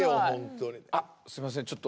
あっすいません